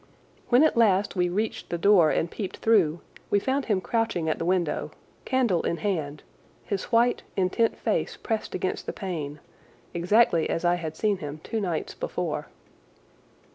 When at last we reached the door and peeped through we found him crouching at the window, candle in hand, his white, intent face pressed against the pane, exactly as I had seen him two nights before.